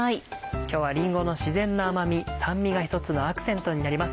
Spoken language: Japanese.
今日はりんごの自然な甘み酸味が１つのアクセントになります。